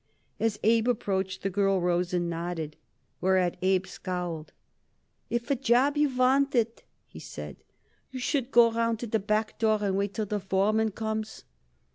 As Abe approached, the girl rose and nodded, whereat Abe scowled. "If a job you want it," he said, "you should go round to the back door and wait till the foreman comes."